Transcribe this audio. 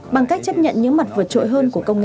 bằng cách chấp nhận những mặt vượt trội hơn của công nghệ